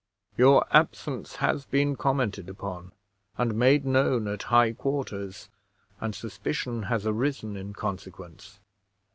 Your absence has been commented upon, and made known at high quarters, and suspicion has arisen in consequence.